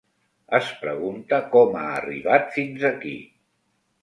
Es pregunta com ha arribat fins aquí.